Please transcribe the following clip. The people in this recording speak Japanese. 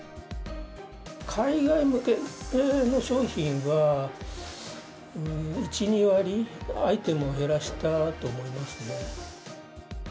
海外向けの商品は、１、２割アイテムを減らしたと思いますね。